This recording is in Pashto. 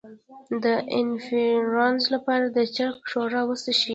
د انفلونزا لپاره د چرګ ښوروا وڅښئ